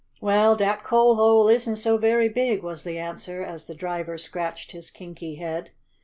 "Well, dat coal hole isn't so very big," was the answer, as the driver scratched his kinky head.